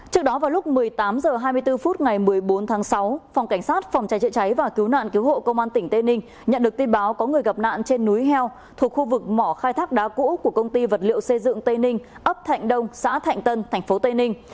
trước đó vào lúc một mươi tám h hai mươi bốn phút ngày một mươi bốn tháng sáu phòng cảnh sát phòng cháy chữa cháy và cứu nạn cứu hộ công an tỉnh tây ninh nhận được tin báo có người gặp nạn trên núi heo thuộc khu vực mỏ khai thác đá cũ của công ty vật liệu xây dựng tây ninh ấp thạnh đông xã thạnh tân tp tây ninh